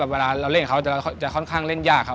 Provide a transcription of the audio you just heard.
เวลาเราเล่นเขาจะค่อนข้างเล่นยากครับ